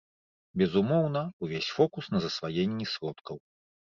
Безумоўна, увесь фокус на засваенні сродкаў.